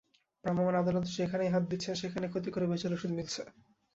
ভ্রাম্যমাণ আদালত যেখানেই হাত দিচ্ছেন, সেখানেই ক্ষতিকর ও ভেজাল ওষুধ মিলছে।